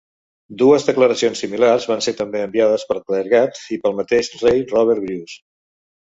Dues declaracions similars van ser també enviades pel clergat i pel mateix rei Robert Bruce.